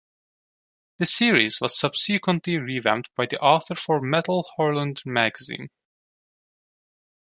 The series was subsequently revamped by the author for "Metal Hurlant" magazine.